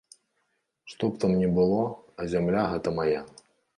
Што б там ні было, а зямля гэта мая.